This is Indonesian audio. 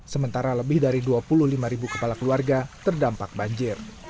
sementara lebih dari dua puluh lima ribu kepala keluarga terdampak banjir